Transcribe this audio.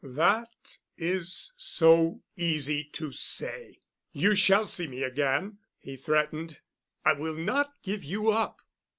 "That is so easy to say. You shall see me again," he threatened. "I will not give you up."